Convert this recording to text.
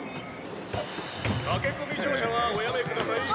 駆け込み乗車はおやめください。